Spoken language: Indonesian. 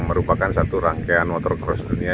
merupakan satu rangkaian water cross dunia